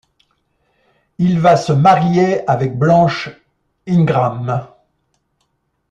Il va se marier avec Blanche Ingram.